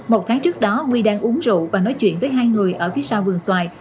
một tháng trước đó huy đang uống rượu và nói chuyện với hai người ở phía sau vườn xoài